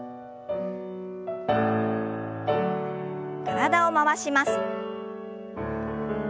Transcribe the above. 体を回します。